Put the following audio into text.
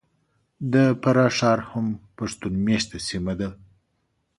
د فراه ښار هم پښتون مېشته سیمه ده .